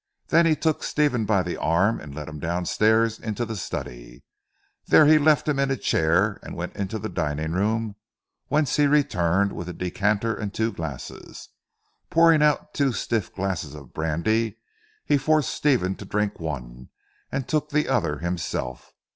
Then he took Stephen by the arm and led him downstairs into the study. There he left him in a chair and went into the dining room, whence he returned with a decanter and two glasses. Pouring out two stiff glasses of brandy he forced Stephen to drink one, and took the other himself.